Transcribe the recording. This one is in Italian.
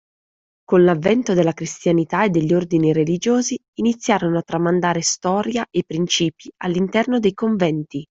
Con l'avvento della cristianità e degli ordini religiosi, iniziarono a tramandare storia e principi all'interno dei conventi